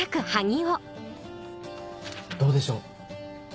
どうでしょう？